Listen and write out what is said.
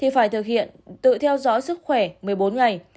phải thực hiện tự theo dõi sức khỏe một mươi bốn ngày